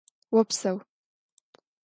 Vopseu!